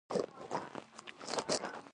هغه وویل: زه باوري وم، په پیټسبرګ کې ووم.